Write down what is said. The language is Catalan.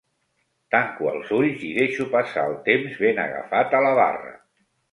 Tanco els ulls i deixo passar el temps ben agafat a la barra.